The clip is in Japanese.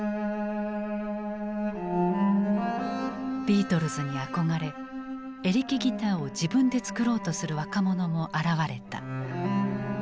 ビートルズに憧れエレキギターを自分で作ろうとする若者も現れた。